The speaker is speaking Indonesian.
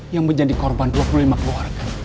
yang menjadi korban dua puluh lima keluarga